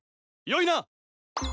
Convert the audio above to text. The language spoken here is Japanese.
よいな？